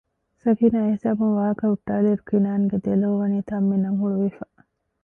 ސަކީނާ އެހިސާބުން ވާހަކަ ހުއްޓައިލިއިރު ކިނާންގެ ދެލޯވަނީ ތަންމިނަށް ހުޅުވިފަ